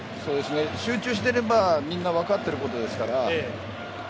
集中していればみんな分かってることですから。